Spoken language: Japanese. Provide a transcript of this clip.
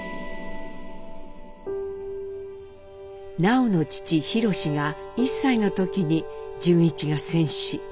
南朋の父宏が１歳の時に潤一が戦死。